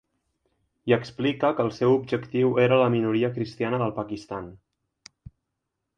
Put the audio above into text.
Hi explica que el seu objectiu era la minoria cristiana del Pakistan.